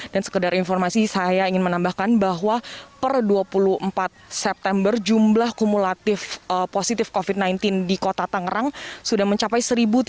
dan sekedar informasi saya ingin menambahkan bahwa per dua puluh empat september jumlah kumulatif positif covid sembilan belas di kota tangerang sudah mencapai satu tiga ratus tujuh puluh satu